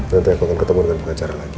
nanti aku akan ketemu dengan pengacara lagi